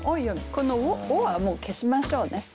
この「を」はもう消しましょうね。